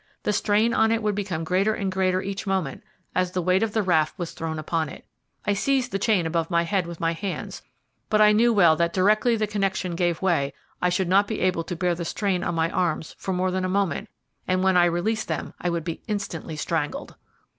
The strain on it would become greater and greater each moment as the weight of the raft was thrown upon it. I seized the chain above my head with my hands, but I knew well that directly the connection gave way I should not be able to bear the strain on my arms for more than a moment, and when I released them I should be instantly strangled.